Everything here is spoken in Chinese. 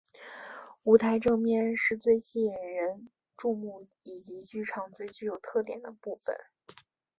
舞台正面是最引人注目以及剧场最具有特点的部分。